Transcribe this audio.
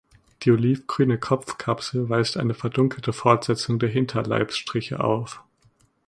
Die olivgrüne Kopfkapsel weist eine verdunkelte Fortsetzung der Hinterleibsstriche auf.